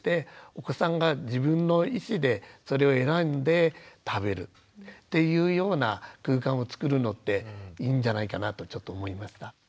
お子さんが自分の意思でそれを選んで食べるというような空間をつくるのっていいんじゃないかなとちょっと思いました。